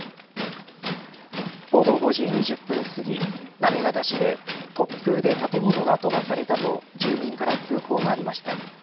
午後５時２０分すぎ行方市で突風で建物が飛ばされたと住民から通報がありました。